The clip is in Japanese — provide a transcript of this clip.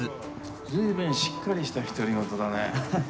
ずいぶん、しっかりした独り言だね。